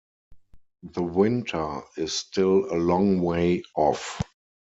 The Winter is still a long way off.